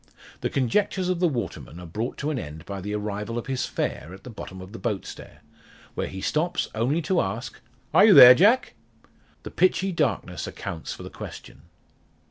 The conjectures of the waterman, are brought to an end by the arrival of his fare at the bottom of the boat stair, where he stops only to ask "Are you there, Jack?" The pitchy darkness accounts for the question.